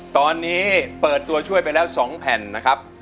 ตอนนี้เปิดตัวช่วยไปแล้ว๒แผ่นนะครับ